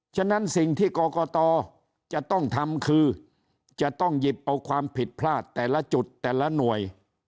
ฉะนั้นสิ่งที่กรกตจะต้องทำคือจะต้องหยิบเอาความผิดพลาดแต่ละจุดแต่ละหน่วย